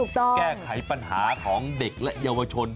แก้ไขปัญหาของเด็กและเยาวชน